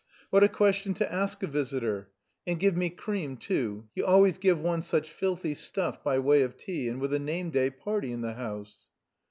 What a question to ask a visitor! And give me cream too; you always give one such filthy stuff by way of tea, and with a name day party in the house!"